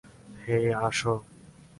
হেই, আসো!